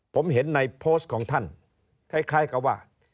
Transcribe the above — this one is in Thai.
ผมเห็นในโพสต์ของท่านคล้ายกับว่า